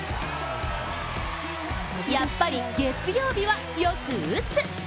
やっぱり月曜日はよく打つ。